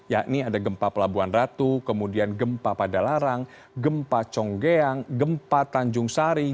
ya ini ada gempa pelabuhan ratu kemudian gempa padalarang gempa conggeang gempa tanjung sari